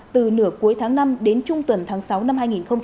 từ nửa cuối tháng năm đến trung tuần tháng sáu năm hai nghìn hai mươi